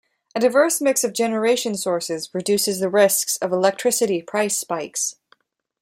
A diverse mix of generation sources reduces the risks of electricity price spikes.